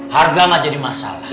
harga mah jadi masalah